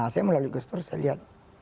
saya melalui gestur saya lihat